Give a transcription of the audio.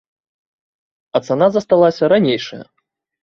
А цана засталася ранейшая.